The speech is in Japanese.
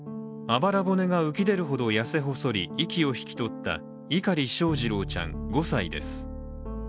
あばら骨が浮きでるほどやせ細り息を引き取った碇翔士郎ちゃん５歳です。